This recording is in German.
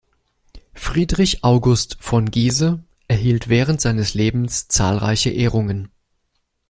Friedrich August von Gise erhielt während seines Lebens zahlreiche Ehrungen.